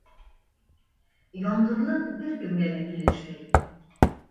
Яңғыҙлыҡ бер кемгә лә килешмәй.